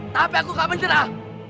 tapi aku gak menyerah